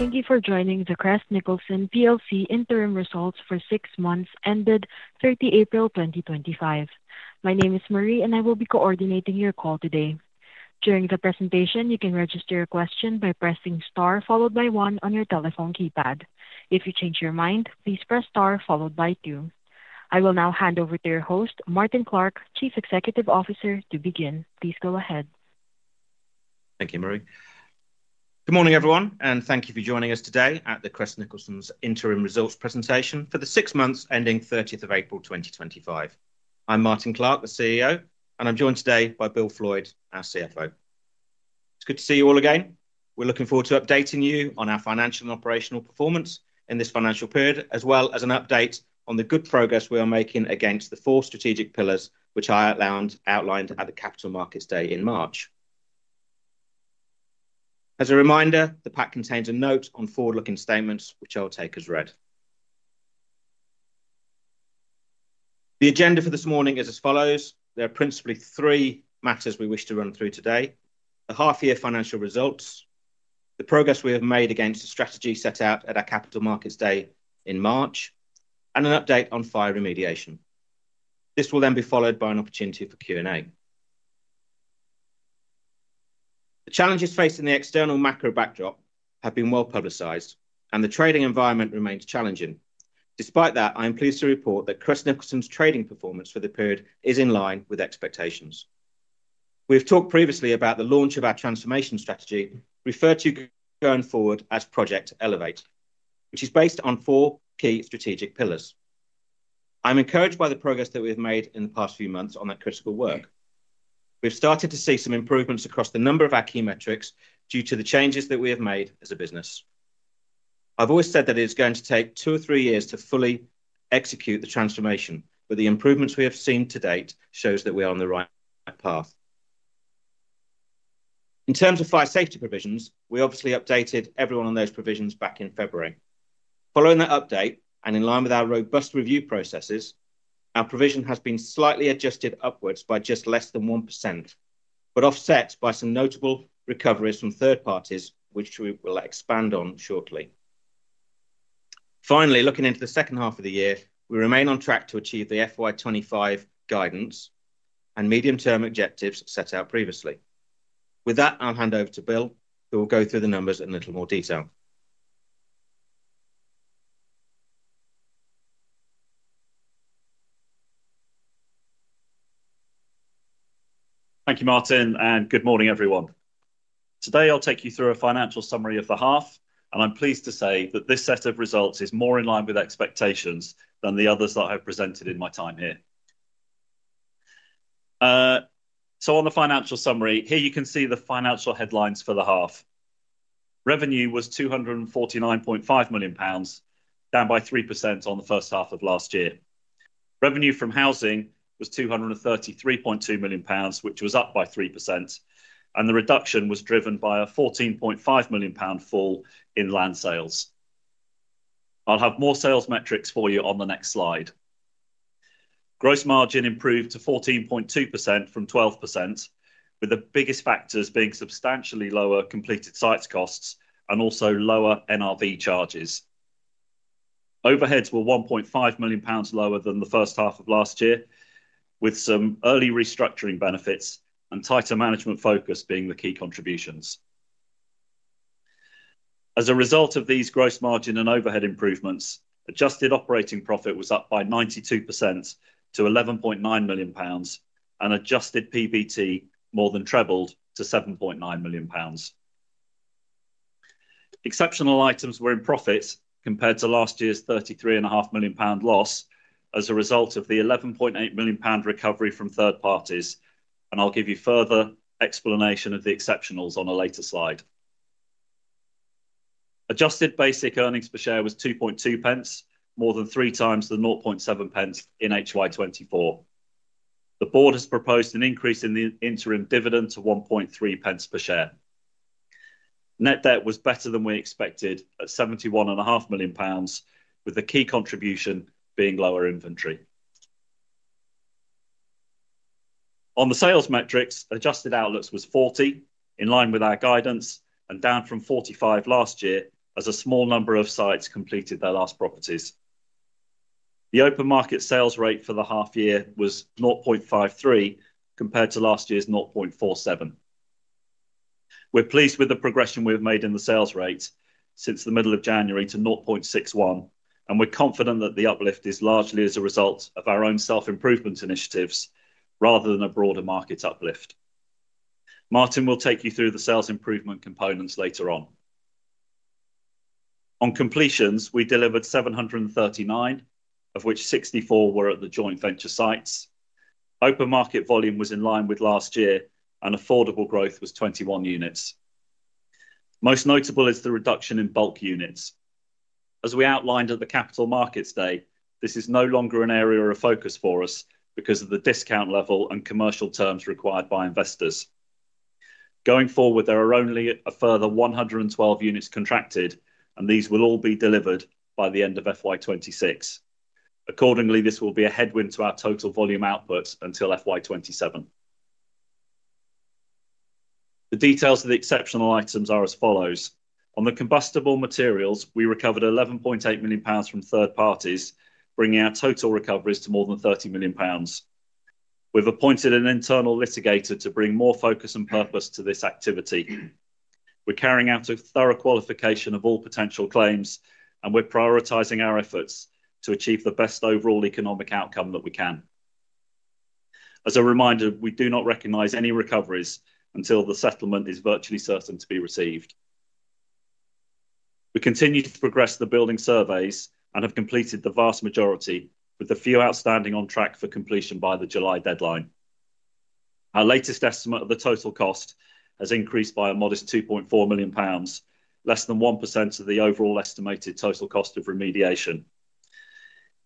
Thank you for joining the Crest Nicholson PLC interim results for six months ended 30 April 2025. My name is Marie, and I will be coordinating your call today. During the presentation, you can register a question by pressing star followed by one on your telephone keypad. If you change your mind, please press star followed by two. I will now hand over to your host, Martin Clark, Chief Executive Officer, to begin. Please go ahead. Thank you, Marie. Good morning, everyone, and thank you for joining us today at Crest Nicholson's interim results presentation for the six months ending 30 April 2025. I'm Martin Clark, the CEO, and I'm joined today by Bill Floydd, our CFO. It's good to see you all again. We're looking forward to updating you on our financial and operational performance in this financial period, as well as an update on the good progress we are making against the four strategic pillars which I outlined at the Capital Markets Day in March. As a reminder, the pack contains a note on forward-looking statements, which I'll take as read. The agenda for this morning is as follows. There are principally three matters we wish to run through today: the half-year financial results, the progress we have made against the strategy set out at our Capital Markets Day in March, and an update on fire remediation. This will then be followed by an opportunity for Q&A. The challenges facing the external macro backdrop have been well publicized, and the trading environment remains challenging. Despite that, I am pleased to report that Crest Nicholson's trading performance for the period is in line with expectations. We have talked previously about the launch of our transformation strategy, referred to going forward as Project Elevate, which is based on four key strategic pillars. I'm encouraged by the progress that we have made in the past few months on that critical work. We've started to see some improvements across a number of our key metrics due to the changes that we have made as a business. I've always said that it is going to take two or three years to fully execute the transformation, but the improvements we have seen to date show that we are on the right path. In terms of fire safety provisions, we obviously updated everyone on those provisions back in February. Following that update, and in line with our robust review processes, our provision has been slightly adjusted upwards by just less than 1%, but offset by some notable recoveries from third parties, which we will expand on shortly. Finally, looking into the second half of the year, we remain on track to achieve the FY25 guidance and medium-term objectives set out previously. With that, I'll hand over to Bill, who will go through the numbers in a little more detail. Thank you, Martyn, and good morning, everyone. Today, I'll take you through a financial summary of the half, and I'm pleased to say that this set of results is more in line with expectations than the others that I have presented in my time here. On the financial summary, here you can see the financial headlines for the half. Revenue was 249.5 million pounds, down by 3% on the first half of last year. Revenue from housing was 233.2 million pounds, which was up by 3%, and the reduction was driven by a 14.5 million pound fall in land sales. I'll have more sales metrics for you on the next slide. Gross margin improved to 14.2% from 12%, with the biggest factors being substantially lower completed sites costs and also lower NRV charges. Overheads were 1.5 million pounds lower than the first half of last year, with some early restructuring benefits and tighter management focus being the key contributions. As a result of these gross margin and overhead improvements, adjusted operating profit was up by 92% to 11.9 million pounds, and adjusted PBT more than trebled to 7.9 million pounds. Exceptional items were in profit compared to last year's 33.5 million pound loss as a result of the 11.8 million pound recovery from third parties, and I'll give you further explanation of the exceptionals on a later slide. Adjusted basic earnings per share was 2.2, more than three times the 0.7 in HY2024. The board has proposed an increase in the interim dividend to 1.3 per share. Net debt was better than we expected at 71.5 million pounds, with the key contribution being lower inventory. On the sales metrics, adjusted outlets was 40, in line with our guidance, and down from 45 last year as a small number of sites completed their last properties. The open market sales rate for the half year was 0.53 compared to last year's 0.47. We're pleased with the progression we've made in the sales rate since the middle of January to 0.61, and we're confident that the uplift is largely as a result of our own self-improvement initiatives rather than a broader market uplift. Martin will take you through the sales improvement components later on. On completions, we delivered 739, of which 64 were at the joint venture sites. Open market volume was in line with last year, and affordable growth was 21 units. Most notable is the reduction in bulk units. As we outlined at the Capital Markets Day, this is no longer an area of focus for us because of the discount level and commercial terms required by investors. Going forward, there are only a further 112 units contracted, and these will all be delivered by the end of FY2026. Accordingly, this will be a headwind to our total volume outputs until FY2027. The details of the exceptional items are as follows. On the combustible materials, we recovered 11.8 million pounds from third parties, bringing our total recoveries to more than 30 million pounds. We've appointed an internal litigator to bring more focus and purpose to this activity. We're carrying out a thorough qualification of all potential claims, and we're prioritizing our efforts to achieve the best overall economic outcome that we can. As a reminder, we do not recognize any recoveries until the settlement is virtually certain to be received. We continue to progress the building surveys and have completed the vast majority, with a few outstanding on track for completion by the July deadline. Our latest estimate of the total cost has increased by a modest 2.4 million pounds, less than 1% of the overall estimated total cost of remediation.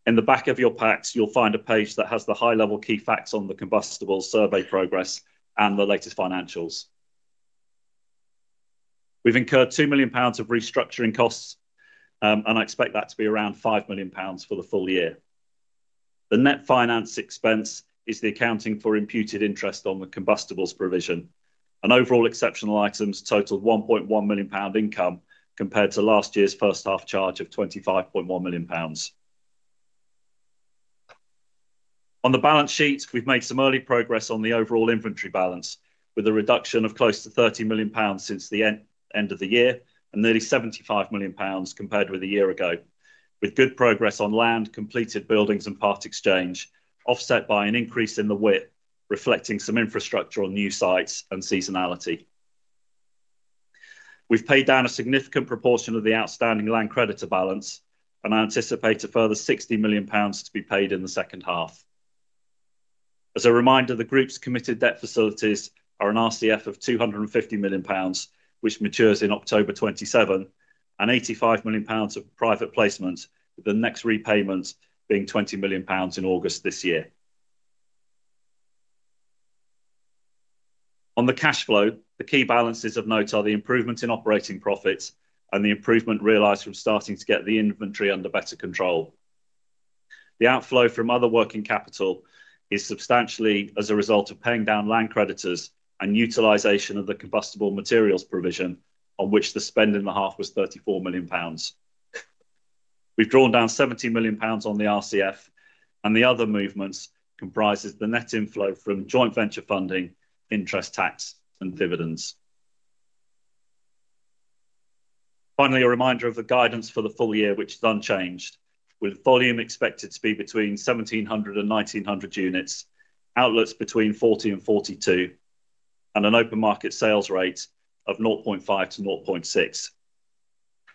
In the back of your packs, you'll find a page that has the high-level key facts on the combustible survey progress and the latest financials. We've incurred 2 million pounds of restructuring costs, and I expect that to be around 5 million pounds for the full year. The net finance expense is the accounting for imputed interest on the combustibles provision, and overall exceptional items totaled 1.1 million pound income compared to last year's first half charge of 25.1 million pounds. On the balance sheet, we've made some early progress on the overall inventory balance, with a reduction of close to 30 million pounds since the end of the year and nearly 75 million pounds compared with a year ago, with good progress on land, completed buildings, and part exchange, offset by an increase in the WIT, reflecting some infrastructure on new sites and seasonality. We've paid down a significant proportion of the outstanding land creditor balance, and I anticipate a further 60 million pounds to be paid in the second half. As a reminder, the group's committed debt facilities are an RCF of 250 million pounds, which matures in October 2027, and 85 million pounds of private placement, with the next repayment being 20 million pounds in August this year. On the cash flow, the key balances of note are the improvement in operating profits and the improvement realized from starting to get the inventory under better control. The outflow from other working capital is substantially as a result of paying down land creditors and utilization of the combustible materials provision, on which the spend in the half was GBP 34 million. We've drawn down GBP 70 million on the RCF, and the other movements comprise the net inflow from joint venture funding, interest tax, and dividends. Finally, a reminder of the guidance for the full year, which is unchanged, with volume expected to be between 1,700 and 1,900 units, outlets between 40 and 42, and an open market sales rate of 0.5-0.6.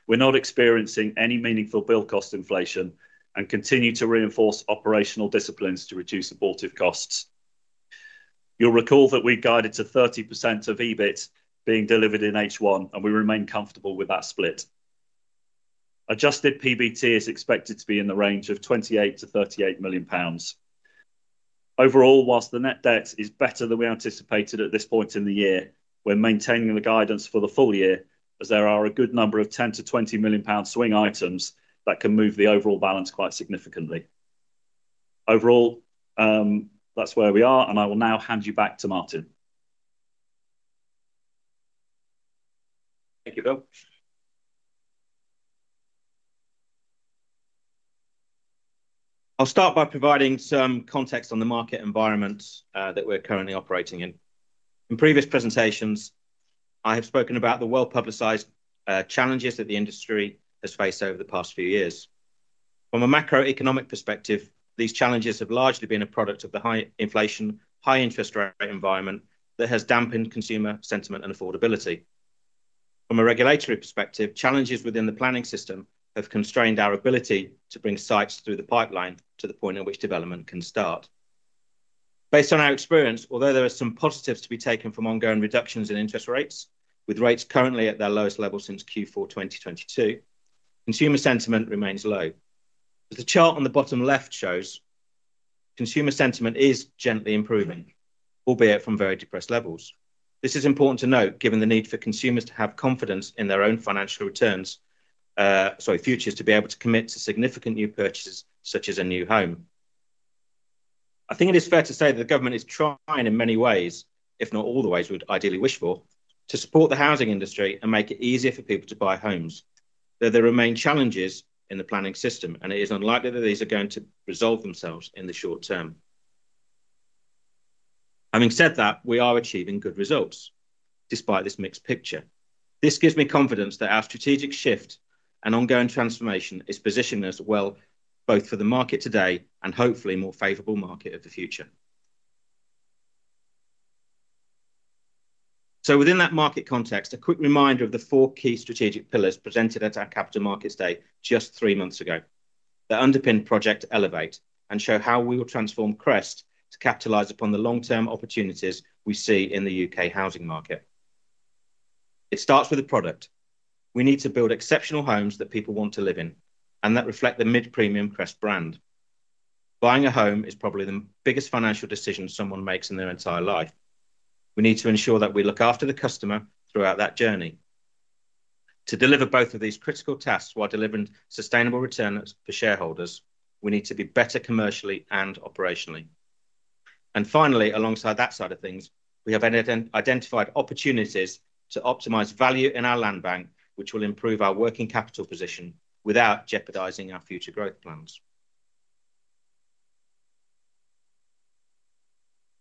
We're not experiencing any meaningful bill cost inflation and continue to reinforce operational disciplines to reduce abortive costs. You'll recall that we guided to 30% of EBIT being delivered in H1, and we remain comfortable with that split. Adjusted PBT is expected to be in the range of 28 million-38 million pounds. Overall, whilst the net debt is better than we anticipated at this point in the year, we're maintaining the guidance for the full year as there are a good number of 10 million-20 million pound swing items that can move the overall balance quite significantly. Overall, that's where we are, and I will now hand you back to Martyn. Thank you, Bill. I'll start by providing some context on the market environment that we're currently operating in. In previous presentations, I have spoken about the well-publicized challenges that the industry has faced over the past few years. From a macroeconomic perspective, these challenges have largely been a product of the high inflation, high interest rate environment that has dampened consumer sentiment and affordability. From a regulatory perspective, challenges within the planning system have constrained our ability to bring sites through the pipeline to the point at which development can start. Based on our experience, although there are some positives to be taken from ongoing reductions in interest rates, with rates currently at their lowest level since Q4 2022, consumer sentiment remains low. As the chart on the bottom left shows, consumer sentiment is gently improving, albeit from very depressed levels. This is important to note given the need for consumers to have confidence in their own financial returns, sorry, futures to be able to commit to significant new purchases such as a new home. I think it is fair to say that the government is trying in many ways, if not all the ways we would ideally wish for, to support the housing industry and make it easier for people to buy homes. There remain challenges in the planning system, and it is unlikely that these are going to resolve themselves in the short term. Having said that, we are achieving good results despite this mixed picture. This gives me confidence that our strategic shift and ongoing transformation is positioned as well both for the market today and hopefully a more favorable market of the future. Within that market context, a quick reminder of the four key strategic pillars presented at our Capital Markets Day just three months ago. They underpin Project Elevate and show how we will transform Crest to capitalize upon the long-term opportunities we see in the U.K. housing market. It starts with the product. We need to build exceptional homes that people want to live in and that reflect the mid-premium Crest brand. Buying a home is probably the biggest financial decision someone makes in their entire life. We need to ensure that we look after the customer throughout that journey. To deliver both of these critical tasks while delivering sustainable returns for shareholders, we need to be better commercially and operationally. Finally, alongside that side of things, we have identified opportunities to optimize value in our land bank, which will improve our working capital position without jeopardizing our future growth plans.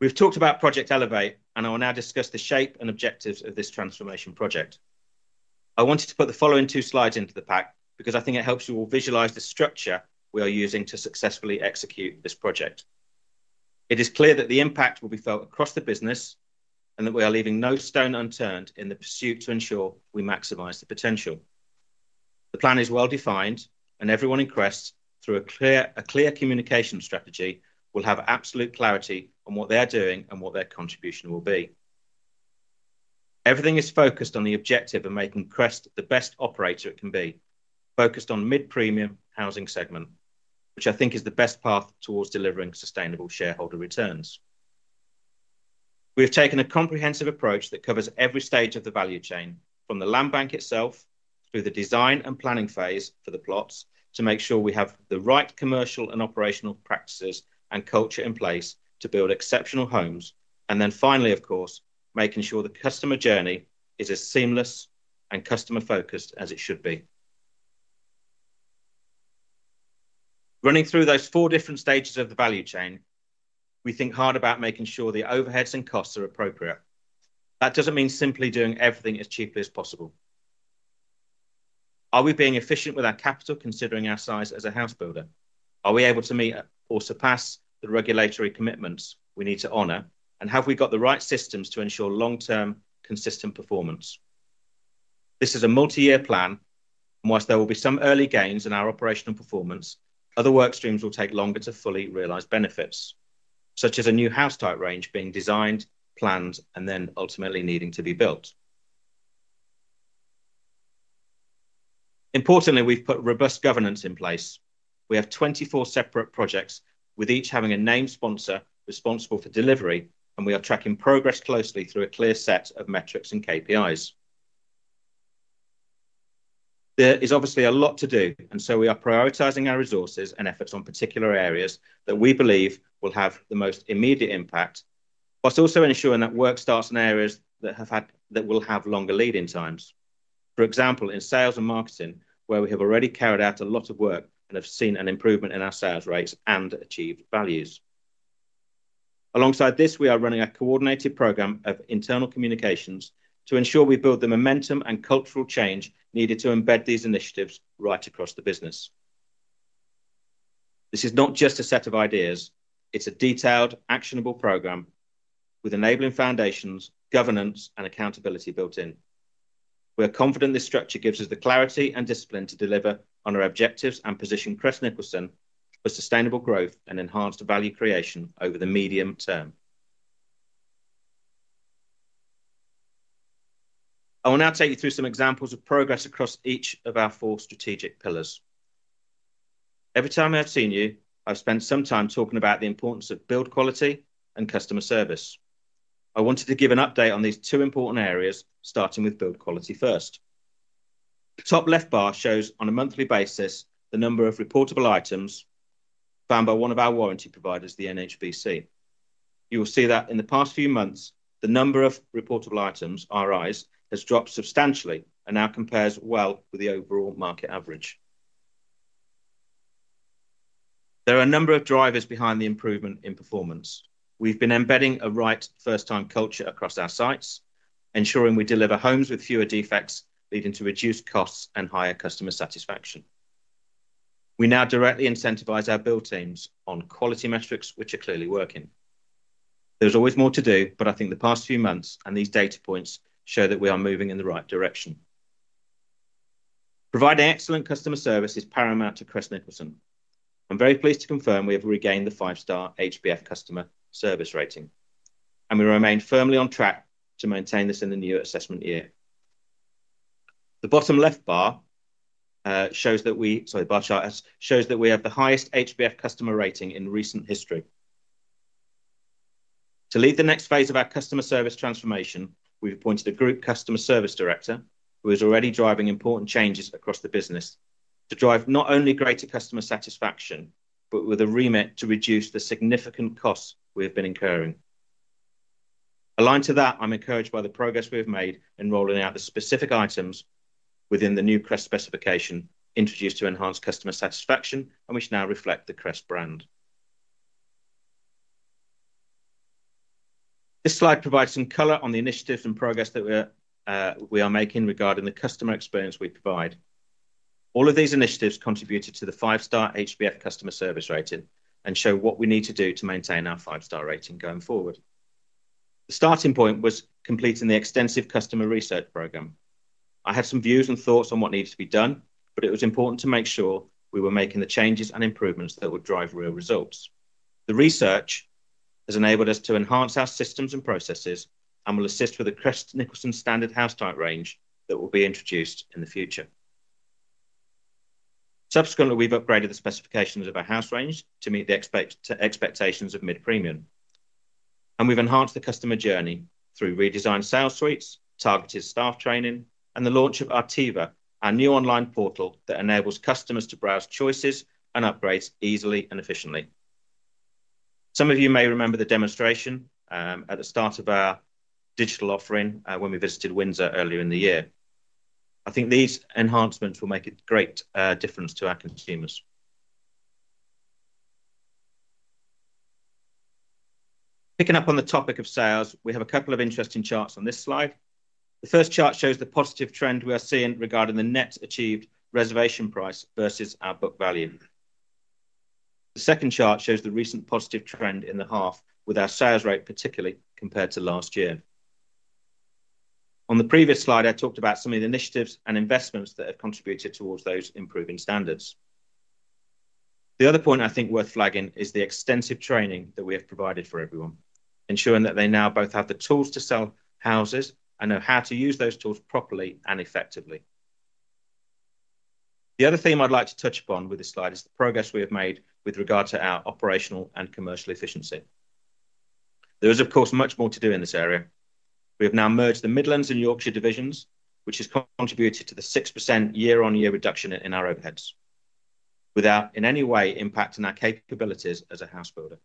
We have talked about Project Elevate, and I will now discuss the shape and objectives of this transformation project. I wanted to put the following two slides into the pack because I think it helps you all visualize the structure we are using to successfully execute this project. It is clear that the impact will be felt across the business and that we are leaving no stone unturned in the pursuit to ensure we maximize the potential. The plan is well-defined, and everyone in Crest, through a clear communication strategy, will have absolute clarity on what they are doing and what their contribution will be. Everything is focused on the objective of making Crest the best operator it can be, focused on mid-premium housing segment, which I think is the best path towards delivering sustainable shareholder returns. We have taken a comprehensive approach that covers every stage of the value chain, from the land bank itself through the design and planning phase for the plots, to make sure we have the right commercial and operational practices and culture in place to build exceptional homes, and then finally, of course, making sure the customer journey is as seamless and customer-focused as it should be. Running through those four different stages of the value chain, we think hard about making sure the overheads and costs are appropriate. That does not mean simply doing everything as cheaply as possible. Are we being efficient with our capital considering our size as a house builder? Are we able to meet or surpass the regulatory commitments we need to honor, and have we got the right systems to ensure long-term consistent performance? This is a multi-year plan, and whilst there will be some early gains in our operational performance, other work streams will take longer to fully realize benefits, such as a new house type range being designed, planned, and then ultimately needing to be built. Importantly, we've put robust governance in place. We have 24 separate projects, with each having a named sponsor responsible for delivery, and we are tracking progress closely through a clear set of metrics and KPIs. There is obviously a lot to do, and so we are prioritizing our resources and efforts on particular areas that we believe will have the most immediate impact, whilst also ensuring that work starts in areas that will have longer lead-in times. For example, in sales and marketing, where we have already carried out a lot of work and have seen an improvement in our sales rates and achieved values. Alongside this, we are running a coordinated program of internal communications to ensure we build the momentum and cultural change needed to embed these initiatives right across the business. This is not just a set of ideas. It's a detailed, actionable program with enabling foundations, governance, and accountability built in. We are confident this structure gives us the clarity and discipline to deliver on our objectives and position Crest Nicholson for sustainable growth and enhanced value creation over the medium term. I will now take you through some examples of progress across each of our four strategic pillars. Every time I've seen you, I've spent some time talking about the importance of build quality and customer service. I wanted to give an update on these two important areas, starting with build quality first. The top left bar shows, on a monthly basis, the number of reportable items found by one of our warranty providers, the NHBC. You will see that in the past few months, the number of reportable items, RIs, has dropped substantially and now compares well with the overall market average. There are a number of drivers behind the improvement in performance. We've been embedding a right first-time culture across our sites, ensuring we deliver homes with fewer defects, leading to reduced costs and higher customer satisfaction. We now directly incentivize our build teams on quality metrics, which are clearly working. There's always more to do, but I think the past few months and these data points show that we are moving in the right direction. Providing excellent customer service is paramount to Crest Nicholson. I'm very pleased to confirm we have regained the five-star HBF customer service rating, and we remain firmly on track to maintain this in the new assessment year. The bottom left bar chart shows that we have the highest HBF customer rating in recent history. To lead the next phase of our customer service transformation, we've appointed a Group Customer Service Director who is already driving important changes across the business to drive not only greater customer satisfaction, but with a remit to reduce the significant costs we have been incurring. Aligned to that, I'm encouraged by the progress we have made in rolling out the specific items within the new Crest specification introduced to enhance customer satisfaction, and which now reflect the Crest brand. This slide provides some color on the initiatives and progress that we are making regarding the customer experience we provide. All of these initiatives contributed to the five-star HBF customer service rating and show what we need to do to maintain our five-star rating going forward. The starting point was completing the extensive customer research program. I had some views and thoughts on what needed to be done, but it was important to make sure we were making the changes and improvements that would drive real results. The research has enabled us to enhance our systems and processes and will assist with the Crest Nicholson standard house type range that will be introduced in the future. Subsequently, we have upgraded the specifications of our house range to meet the expectations of mid-premium, and we have enhanced the customer journey through redesigned sales suites, targeted staff training, and the launch of Artiva, our new online portal that enables customers to browse choices and upgrades easily and efficiently. Some of you may remember the demonstration at the start of our digital offering when we visited Windsor earlier in the year. I think these enhancements will make a great difference to our consumers. Picking up on the topic of sales, we have a couple of interesting charts on this slide. The first chart shows the positive trend we are seeing regarding the net achieved reservation price versus our book value. The second chart shows the recent positive trend in the half with our sales rate, particularly compared to last year. On the previous slide, I talked about some of the initiatives and investments that have contributed towards those improving standards. The other point I think worth flagging is the extensive training that we have provided for everyone, ensuring that they now both have the tools to sell houses and know how to use those tools properly and effectively. The other theme I'd like to touch upon with this slide is the progress we have made with regard to our operational and commercial efficiency. There is, of course, much more to do in this area. We have now merged the Midlands and Yorkshire divisions, which has contributed to the 6% year-on-year reduction in our overheads, without in any way impacting our capabilities as a house builder.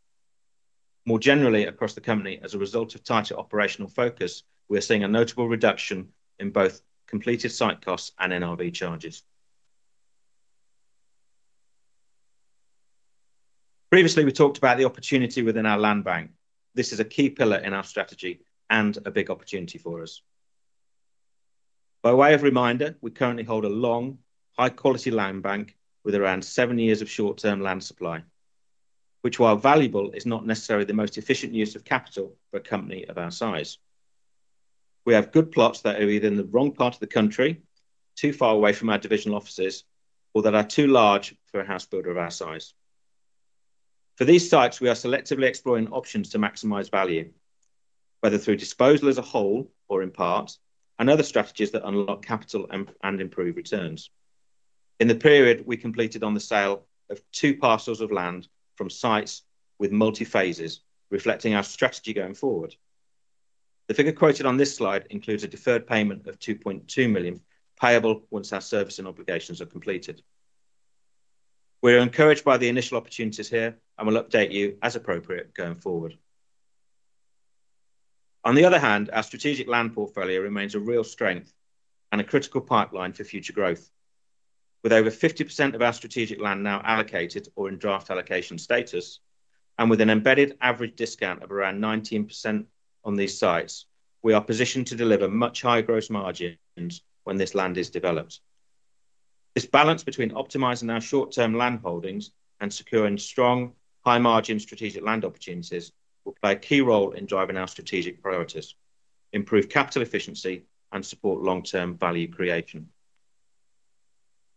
More generally, across the company, as a result of tighter operational focus, we are seeing a notable reduction in both completed site costs and NRV charges. Previously, we talked about the opportunity within our land bank. This is a key pillar in our strategy and a big opportunity for us. By way of reminder, we currently hold a long, high-quality land bank with around seven years of short-term land supply, which, while valuable, is not necessarily the most efficient use of capital for a company of our size. We have good plots that are either in the wrong part of the country, too far away from our divisional offices, or that are too large for a house builder of our size. For these sites, we are selectively exploring options to maximize value, whether through disposal as a whole or in part, and other strategies that unlock capital and improve returns. In the period, we completed on the sale of two parcels of land from sites with multi-phases, reflecting our strategy going forward. The figure quoted on this slide includes a deferred payment of 2.2 million, payable once our service and obligations are completed. We are encouraged by the initial opportunities here and will update you as appropriate going forward. On the other hand, our strategic land portfolio remains a real strength and a critical pipeline for future growth. With over 50% of our strategic land now allocated or in draft allocation status, and with an embedded average discount of around 19% on these sites, we are positioned to deliver much higher gross margins when this land is developed. This balance between optimizing our short-term land holdings and securing strong, high-margin strategic land opportunities will play a key role in driving our strategic priorities, improving capital efficiency, and supporting long-term value creation.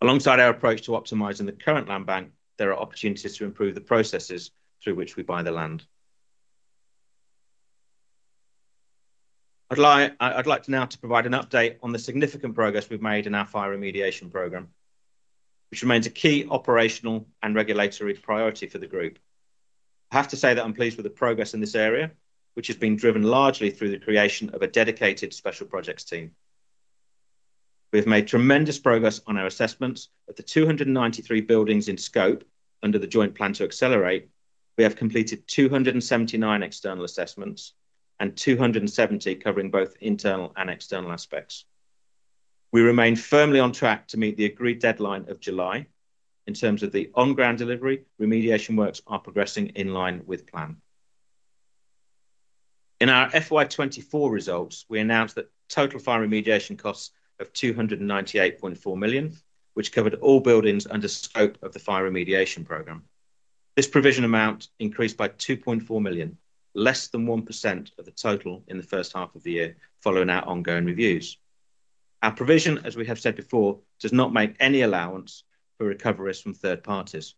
Alongside our approach to optimizing the current land bank, there are opportunities to improve the processes through which we buy the land. I'd like to now provide an update on the significant progress we've made in our fire remediation program, which remains a key operational and regulatory priority for the group. I have to say that I'm pleased with the progress in this area, which has been driven largely through the creation of a dedicated special projects team. We have made tremendous progress on our assessments of the 293 buildings in scope under the joint plan to accelerate. We have completed 279 external assessments and 270 covering both internal and external aspects. We remain firmly on track to meet the agreed deadline of July. In terms of the on-ground delivery, remediation works are progressing in line with plan. In our FY2024 results, we announced that total fire remediation costs of 298.4 million, which covered all buildings under scope of the fire remediation program. This provision amount increased by 2.4 million, less than 1% of the total in the first half of the year, following our ongoing reviews. Our provision, as we have said before, does not make any allowance for recoveries from third parties.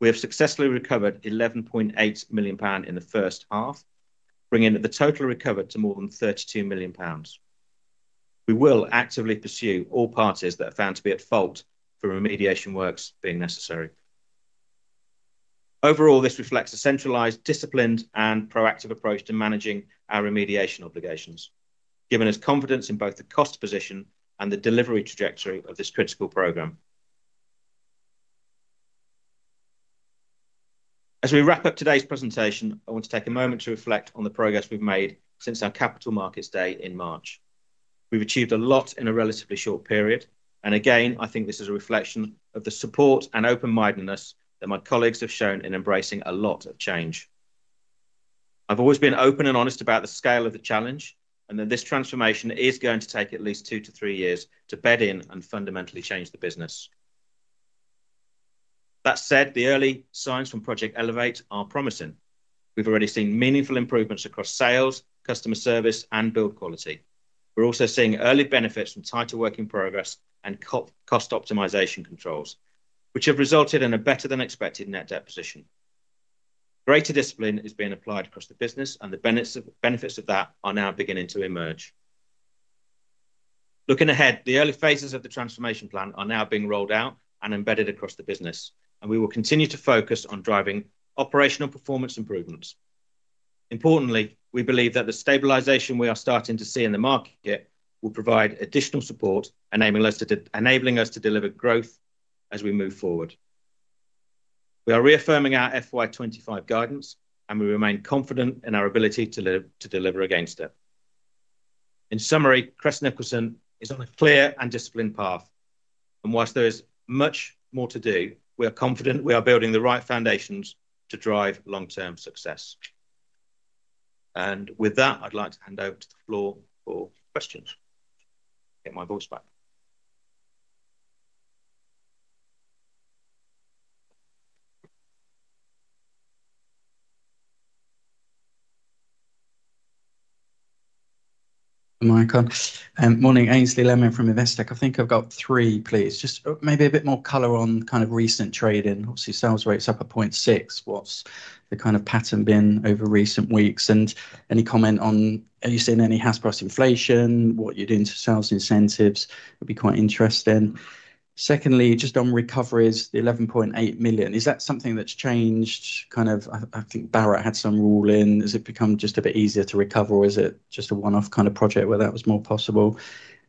We have successfully recovered 11.8 million pound in the first half, bringing the total recovered to more than 32 million pounds. We will actively pursue all parties that are found to be at fault for remediation works being necessary. Overall, this reflects a centralized, disciplined, and proactive approach to managing our remediation obligations, giving us confidence in both the cost position and the delivery trajectory of this critical program. As we wrap up today's presentation, I want to take a moment to reflect on the progress we've made since our capital markets day in March. We've achieved a lot in a relatively short period, and again, I think this is a reflection of the support and open-mindedness that my colleagues have shown in embracing a lot of change. I've always been open and honest about the scale of the challenge and that this transformation is going to take at least two to three years to bed in and fundamentally change the business. That said, the early signs from Project Elevate are promising. We've already seen meaningful improvements across sales, customer service, and build quality. We're also seeing early benefits from tighter work in progress and cost optimization controls, which have resulted in a better-than-expected net deposition. Greater discipline is being applied across the business, and the benefits of that are now beginning to emerge. Looking ahead, the early phases of the transformation plan are now being rolled out and embedded across the business, and we will continue to focus on driving operational performance improvements. Importantly, we believe that the stabilization we are starting to see in the market will provide additional support, enabling us to deliver growth as we move forward. We are reaffirming our FY25 guidance, and we remain confident in our ability to deliver against it. In summary, Crest Nicholson is on a clear and disciplined path, and whilst there is much more to do, we are confident we are building the right foundations to drive long-term success. With that, I'd like to hand over to the floor for questions. Get my voice back. Hi, Michael. Morning, Ainsley Lemmon from Investec. I think I've got three, please. Just maybe a bit more color on kind of recent trading. Obviously, sales rate's up at 0.6. What's the kind of pattern been over recent weeks? Any comment on, are you seeing any house price inflation? What are you doing to sales incentives? It'd be quite interesting. Secondly, just on recoveries, the 11.8 million, is that something that's changed? Kind of, I think Barratt had some rule in. Has it become just a bit easier to recover, or is it just a one-off kind of project where that was more possible?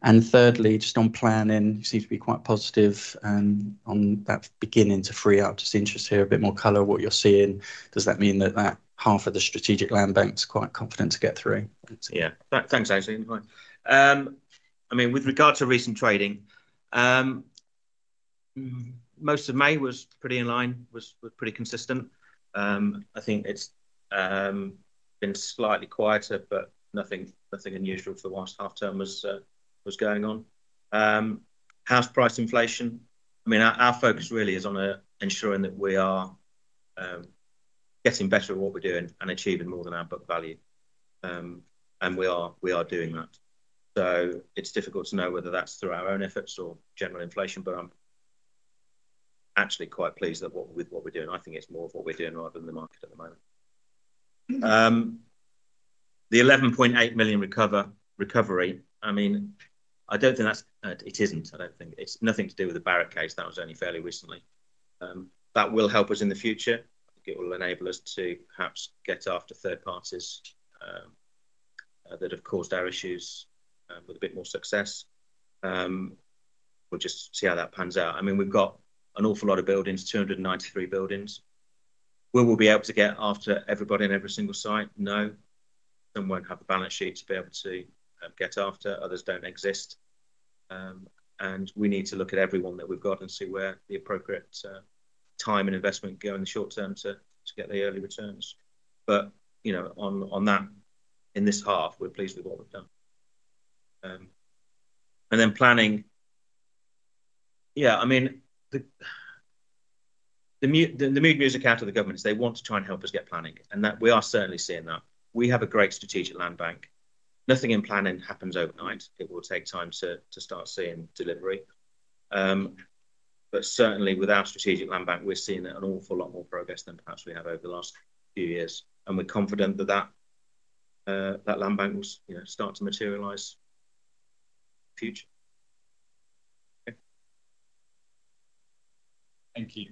Thirdly, just on planning, seems to be quite positive on that beginning to free up. Just interested to hear a bit more color on what you're seeing. Does that mean that that half of the strategic land bank's quite confident to get through? Yeah, thanks, Ainsley. I mean, with regard to recent trading, most of May was pretty in line, was pretty consistent. I think it's been slightly quieter, but nothing unusual for the last half term was going on. House price inflation, I mean, our focus really is on ensuring that we are getting better at what we're doing and achieving more than our book value, and we are doing that. So it's difficult to know whether that's through our own efforts or general inflation, but I'm actually quite pleased with what we're doing. I think it's more of what we're doing rather than the market at the moment. The 11.8 million recovery, I mean, I don't think that's—it isn't. I don't think it's nothing to do with the Barratt case. That was only fairly recently. That will help us in the future. I think it will enable us to perhaps get after third parties that have caused our issues with a bit more success. We'll just see how that pans out. I mean, we've got an awful lot of buildings, 293 buildings. Will we be able to get after everybody in every single site? No. Some won't have the balance sheet to be able to get after. Others do not exist. We need to look at everyone that we've got and see where the appropriate time and investment go in the short term to get the early returns. On that, in this half, we're pleased with what we've done. Planning, yeah, I mean, the mood music out of the government is they want to try and help us get planning, and we are certainly seeing that. We have a great strategic land bank. Nothing in planning happens overnight. It will take time to start seeing delivery. Certainly, with our strategic land bank, we're seeing an awful lot more progress than perhaps we have over the last few years, and we're confident that that land bank will start to materialize in the future. Thank you.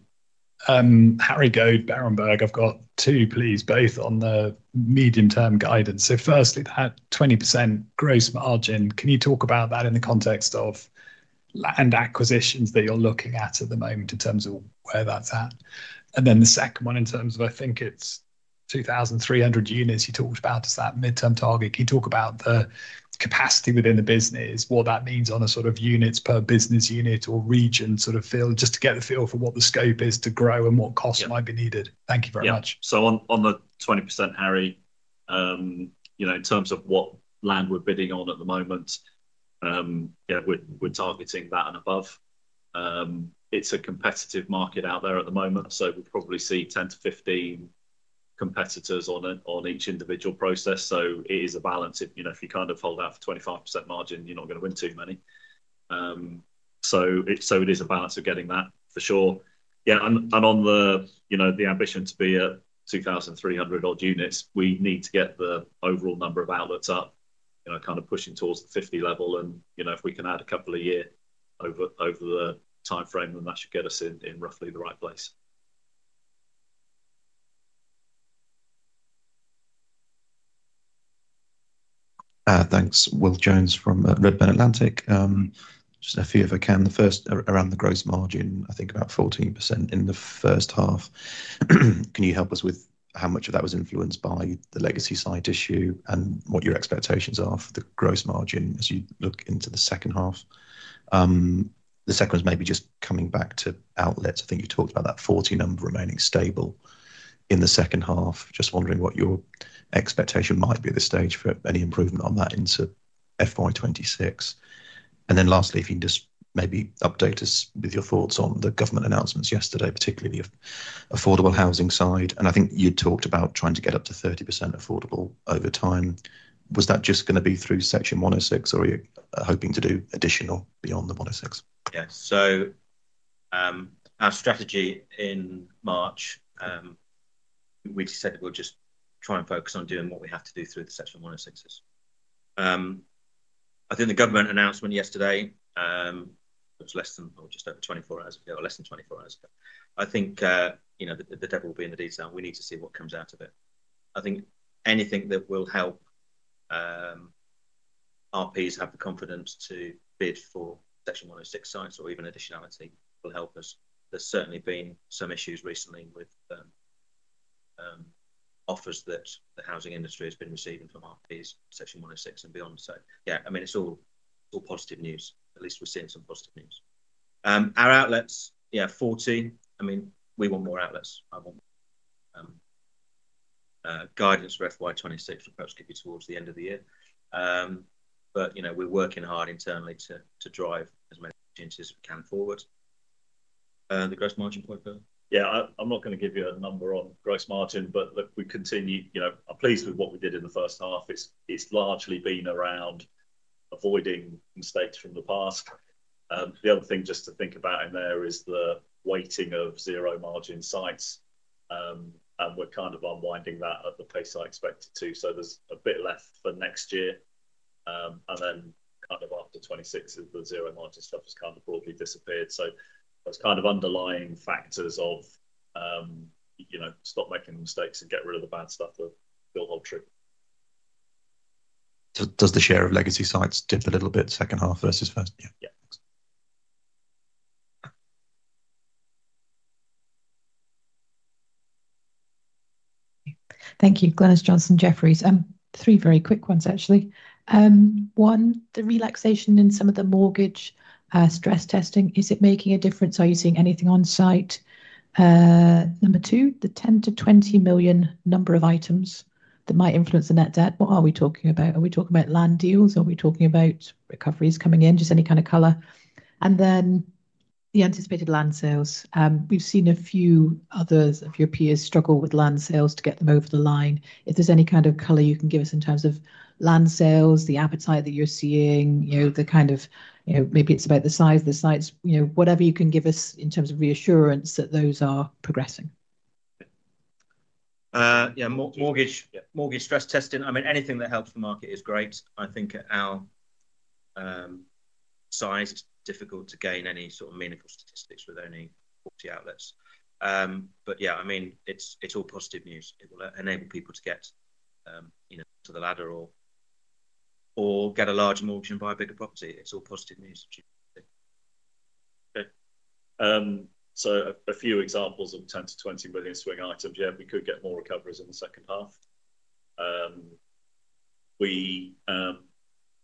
Harry Goad, Berenberg. I've got two, please, both on the medium-term guidance. Firstly, that 20% gross margin, can you talk about that in the context of land acquisitions that you're looking at at the moment in terms of where that's at? The second one, in terms of, I think it's 2,300 units you talked about, is that midterm target? Can you talk about the capacity within the business, what that means on a sort of units per business unit or region sort of field, just to get a feel for what the scope is to grow and what costs might be needed? Thank you very much. Yeah. On the 20%, Harry, in terms of what land we're bidding on at the moment, yeah, we're targeting that and above. It's a competitive market out there at the moment, so we'll probably see 10-15 competitors on each individual process. It is a balance. If you kind of hold out for 25% margin, you're not going to win too many. It is a balance of getting that for sure. Yeah. On the ambition to be at 2,300 units, we need to get the overall number of outlets up, kind of pushing towards the 50 level. If we can add a couple a year over the timeframe, then that should get us in roughly the right place. Thanks. Will Jones from Redburn Atlantic. Just a few, if I can. The first, around the gross margin, I think about 14% in the first half. Can you help us with how much of that was influenced by the legacy site issue and what your expectations are for the gross margin as you look into the second half? The second was maybe just coming back to outlets. I think you talked about that 40 number remaining stable in the second half. Just wondering what your expectation might be at this stage for any improvement on that into FY2026. Lastly, if you can just maybe update us with your thoughts on the government announcements yesterday, particularly the affordable housing side. I think you had talked about trying to get up to 30% affordable over time. Was that just going to be through Section 106, or are you hoping to do additional beyond the 106? Yeah. Our strategy in March, we said we'll just try and focus on doing what we have to do through the Section 106s. I think the government announcement yesterday, it was less than or just over 24 hours ago, or less than 24 hours ago. I think the devil will be in the detail. We need to see what comes out of it. I think anything that will help RPs have the confidence to bid for Section 106 sites or even additionality will help us. There's certainly been some issues recently with offers that the housing industry has been receiving from RPs, Section 106 and beyond. Yeah, I mean, it's all positive news. At least we're seeing some positive news. Our outlets, yeah, 40. I mean, we want more outlets. I want guidance for FY2026, which will probably be towards the end of the year. We're working hard internally to drive as many opportunities as we can forward. The gross margin point, Bill? Yeah. I'm not going to give you a number on gross margin, but look, we continue. I'm pleased with what we did in the first half. It's largely been around avoiding mistakes from the past. The other thing just to think about in there is the weighting of zero margin sites, and we're kind of unwinding that at the pace I expected to. There's a bit left for next year. After 2026, the zero margin stuff has kind of broadly disappeared. Those kind of underlying factors of stop making mistakes and get rid of the bad stuff will hold true. Does the share of legacy sites dip a little bit second half versus first? Yeah. Yeah. Thank you. Glenys Johnson-Jefferies. Three very quick ones, actually. One, the relaxation in some of the mortgage stress testing. Is it making a difference? Are you seeing anything on site? Number two, the 10-20 million number of items that might influence the net debt. What are we talking about? Are we talking about land deals? Are we talking about recoveries coming in? Just any kind of color. And then the anticipated land sales. We've seen a few others of your peers struggle with land sales to get them over the line. If there's any kind of color you can give us in terms of land sales, the appetite that you're seeing, the kind of maybe it's about the size of the sites, whatever you can give us in terms of reassurance that those are progressing. Yeah. Mortgage stress testing. I mean, anything that helps the market is great. I think at our size, it's difficult to gain any sort of meaningful statistics with only 40 outlets. Yeah, I mean, it's all positive news. It will enable people to get to the ladder or get a larger mortgage and buy a bigger property. It's all positive news. Okay. A few examples of 10-20 million swing items. Yeah, we could get more recoveries in the second half.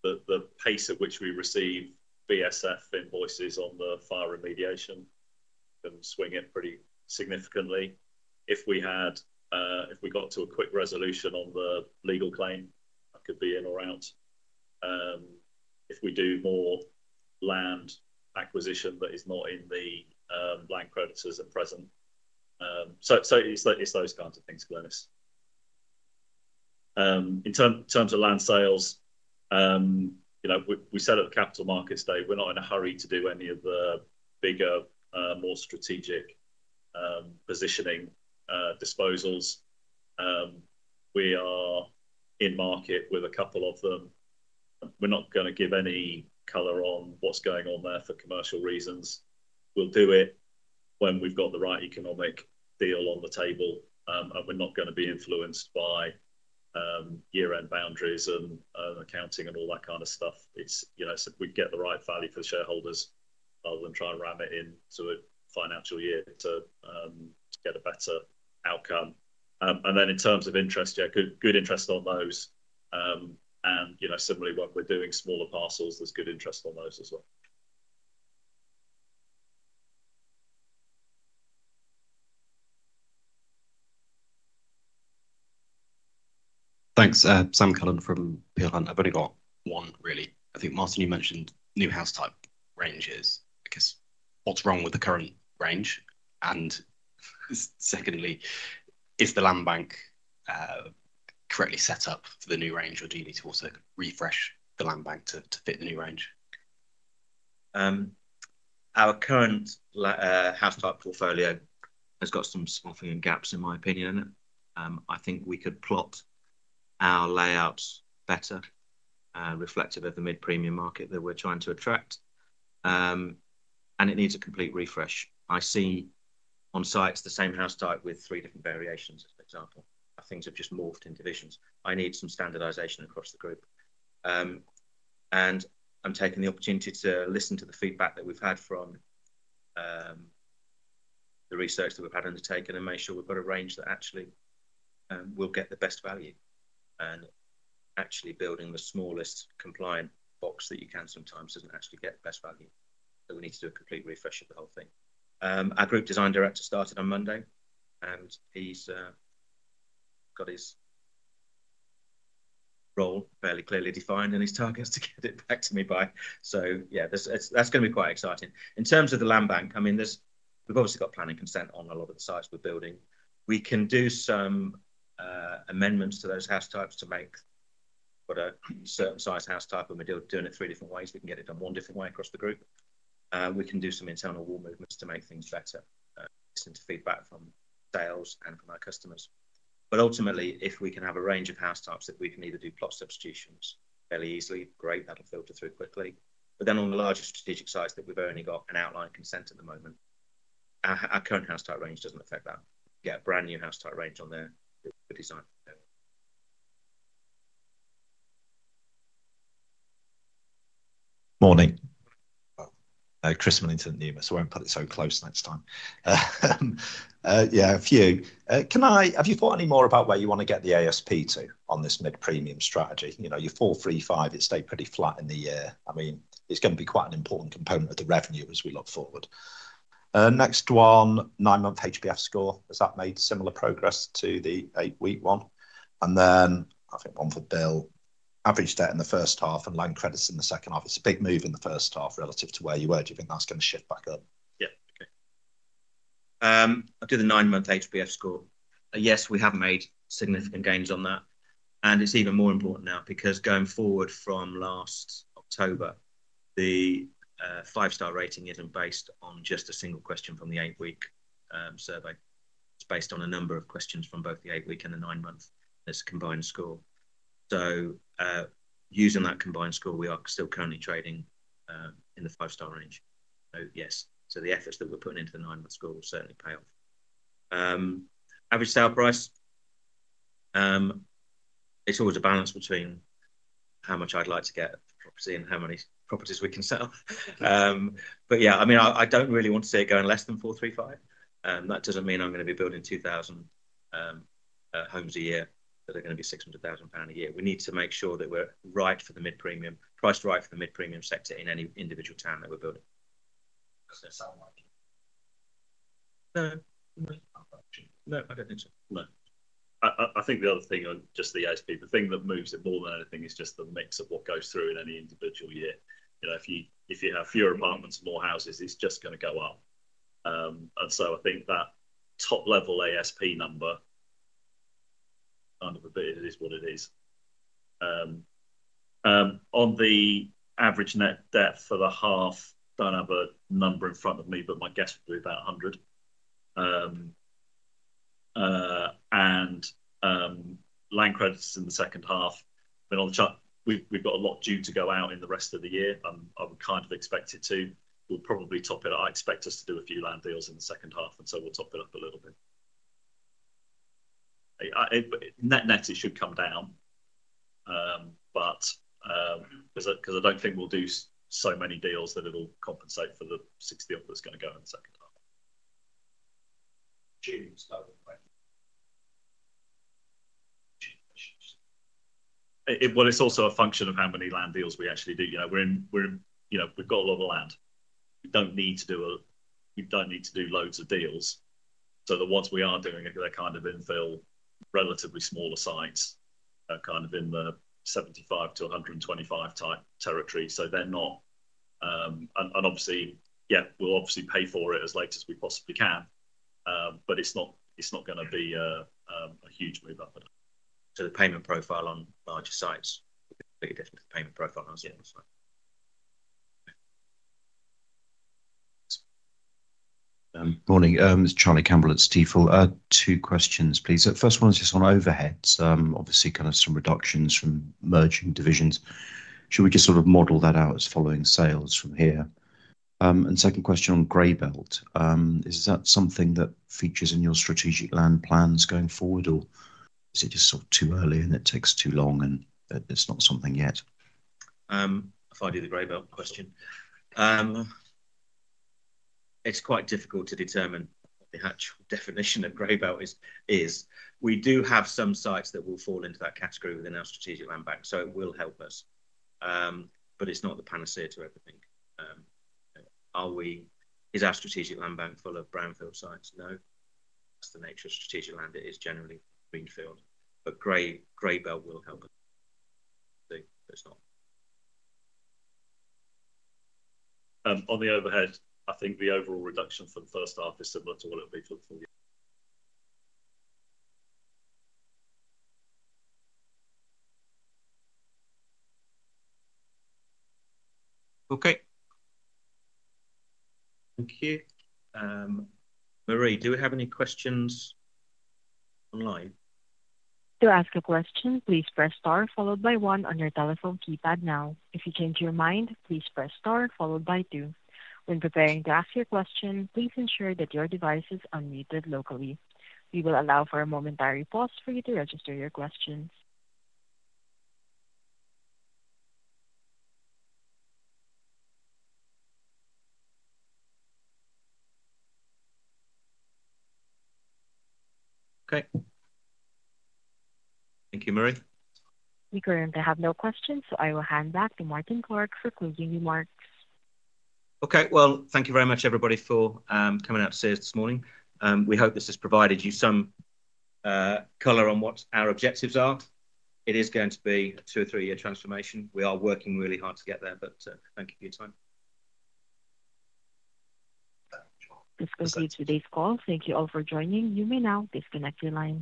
The pace at which we receive BSF invoices on the fire remediation can swing it pretty significantly. If we got to a quick resolution on the legal claim, that could be in or out. If we do more land acquisition that is not in the blank creditors at present. It's those kinds of things, Glenys. In terms of land sales, we said at the Capital Markets Day, we're not in a hurry to do any of the bigger, more strategic positioning disposals. We are in market with a couple of them. We're not going to give any color on what's going on there for commercial reasons. We'll do it when we've got the right economic deal on the table, and we're not going to be influenced by year-end boundaries and accounting and all that kind of stuff. It's if we get the right value for the shareholders rather than try and ram it into a financial year to get a better outcome. In terms of interest, yeah, good interest on those. Similarly, what we're doing, smaller parcels, there's good interest on those as well. Thanks. Sam Cullen from Peel Hunt. I've only got one, really. I think, Martin, you mentioned new house type ranges. I guess, what's wrong with the current range? Secondly, is the land bank correctly set up for the new range, or do you need to also refresh the land bank to fit the new range? Our current house type portfolio has got some smoothing and gaps, in my opinion, in it. I think we could plot our layouts better, reflective of the mid-premium market that we're trying to attract. It needs a complete refresh. I see on sites the same house type with three different variations, for example. Things have just morphed in divisions. I need some standardization across the group. I'm taking the opportunity to listen to the feedback that we've had from the research that we've had undertaken and make sure we've got a range that actually will get the best value. Actually, building the smallest compliant box that you can sometimes does not get the best value. We need to do a complete refresh of the whole thing. Our Group Design Director started on Monday, and he has his role fairly clearly defined, and he is targeted to get it back to me by. Yeah, that is going to be quite exciting. In terms of the land bank, I mean, we obviously have planning consent on a lot of the sites we are building. We can do some amendments to those house types to make a certain size house type. When we are doing it three different ways, we can get it done one different way across the group. We can do some internal wall movements to make things better. Listen to feedback from sales and from our customers. Ultimately, if we can have a range of house types that we can either do plot substitutions fairly easily, great. That will filter through quickly. On the larger strategic sites that we have only got an outline consent at the moment, our current house type range does not affect that. Get a brand new house type range on there. Good design. Morning. Chris Millington, Numis. I will not put it so close next time. Yeah, a few. Have you thought any more about where you want to get the ASP to on this mid-premium strategy? Your 435, it stayed pretty flat in the year. I mean, it is going to be quite an important component of the revenue as we look forward. Next one, nine-month HBF score. Has that made similar progress to the eight-week one? Then I think one for Bill. Average debt in the first half and land credits in the second half. It's a big move in the first half relative to where you were. Do you think that's going to shift back up? Yeah. Okay. I'll do the nine-month HBF score. Yes, we have made significant gains on that. It's even more important now because going forward from last October, the five-star rating isn't based on just a single question from the eight-week survey. It's based on a number of questions from both the eight-week and the nine-month as a combined score. Using that combined score, we are still currently trading in the five-star range. Yes. The efforts that we're putting into the nine-month score will certainly pay off. Average sale price. It's always a balance between how much I'd like to get at the property and how many properties we can sell. Yeah, I mean, I do not really want to see it going less than 435,000. That does not mean I am going to be building 2,000 homes a year that are going to be 600,000 pounds a year. We need to make sure that we are right for the mid-premium, priced right for the mid-premium sector in any individual town that we are building. Does that sound like it? No. No. I do not think so. No. I think the other thing on just the ASP, the thing that moves it more than anything, is just the mix of what goes through in any individual year. If you have fewer apartments, more houses, it is just going to go up. I think that top-level ASP number, kind of a bit, it is what it is. On the average net debt for the half, do not have a number in front of me, but my guess would be about 100 million. And land credits in the second half. We have got a lot due to go out in the rest of the year. I would kind of expect it to. We will probably top it. I expect us to do a few land deals in the second half, and so we will top it up a little bit. Net net, it should come down. Because I do not think we will do so many deals that it will compensate for the 60 million off that is going to go in the second half. It is also a function of how many land deals we actually do. We have got a lot of land. We do not need to do loads of deals. The ones we are doing, they are kind of infill, relatively smaller sites, kind of in the 75-125 type territory. They are not, and obviously, yeah, we will obviously pay for it as late as we possibly can. It is not going to be a huge move up. The payment profile on larger sites is a bit different to the payment profile on smaller sites. Morning. This is Charlie Campbell at Jefferies. Two questions, please. First one is just on overheads. Obviously, kind of some reductions from merging divisions. Should we just sort of model that out as following sales from here? Second question on graybelt. Is that something that features in your strategic land plans going forward, or is it just sort of too early and it takes too long and it is not something yet? I will find you the Graybelt question. It's quite difficult to determine what the actual definition of graybelt is. We do have some sites that will fall into that category within our strategic land bank, so it will help us. It's not the panacea to everything. Is our strategic land bank full of brownfield sites? No. That's the nature of strategic land. It is generally greenfield. Graybelt will help us. It's not. On the overhead, I think the overall reduction for the first half is similar to what it'll be for the full year. Okay. Thank you. Marie, do we have any questions online? To ask a question, please press star followed by one on your telephone keypad now. If you change your mind, please press star followed by two. When preparing to ask your question, please ensure that your device is unmuted locally. We will allow for a momentary pause for you to register your questions. Okay. Thank you, Marie. We currently have no questions, so I will hand back to Martyn Clark for closing remarks. Okay. Thank you very much, everybody, for coming out to see us this morning. We hope this has provided you some color on what our objectives are. It is going to be a two or three-year transformation. We are working really hard to get there, but thank you for your time. This concludes today's call. Thank you all for joining. You may now disconnect the line.